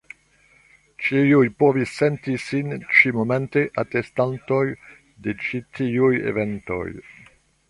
Ĉiuj povis senti sin ĉi-momente atestantoj de ĉi tiuj eventoj.